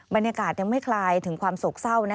บรรยากาศยังไม่คลายถึงความโศกเศร้า